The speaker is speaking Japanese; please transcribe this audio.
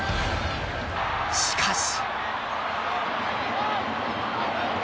しかし。